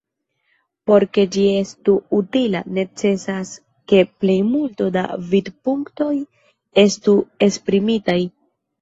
Por ke ĝi estu utila, necesas ke plejmulto da vidpunktoj estu esprimitaj.